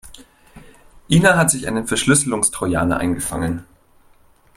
Ina hat sich einen Verschlüsselungstrojaner eingefangen.